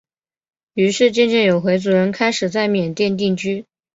于是渐渐有回族人开始在缅甸定居。